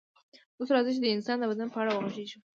اوس راځئ چې د انسان د بدن په اړه وغږیږو